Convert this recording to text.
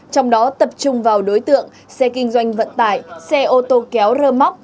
trong đó tập trung vào đối tượng xe kinh doanh vận tải xe ô tô kéo rơ móc